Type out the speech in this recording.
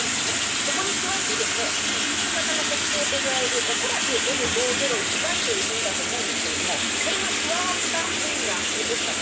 そこに加え、イギリス型の特徴といわれるおそらくＮ５０１Ｙだと思うんですが、これが加わった変異が起こったと。